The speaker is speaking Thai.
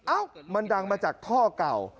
เอ้ามันดังมาจากท่อเก่า